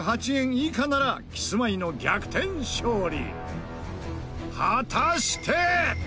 以下ならキスマイの逆転勝利！